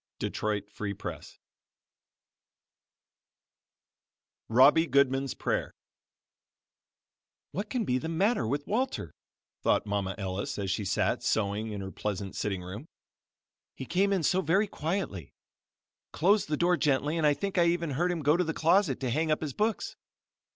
Detroit Free Press ROBBIE GOODMAN'S PRAYER "What can be the matter with Walter," thought Mama Ellis as she sat sewing in her pleasant sitting room. "He came in so very quietly, closed the door gently and I think I even heard him go to the closet to hang up his books.